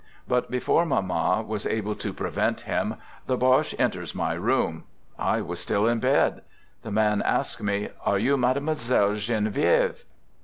But before Mamma was able to prevent him, the Boche enters my room. I was still in bed. The man asks me: " Are you Mademoiselle Genevieve?